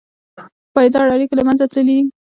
پایداره اړیکې له منځه تللي دي.